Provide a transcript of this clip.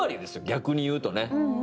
逆に言うとね。